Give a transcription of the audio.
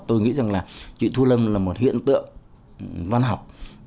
tôi nghĩ rằng là chị thu lâm là một hiện tượng văn học